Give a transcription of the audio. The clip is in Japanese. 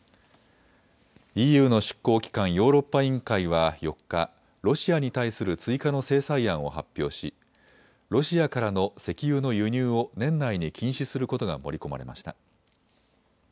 ＥＵの執行機関、ヨーロッパ委員会は４日、ロシアに対する追加の制裁案を発表しロシアからの石油の輸入を年内に禁止することが盛り込まれました。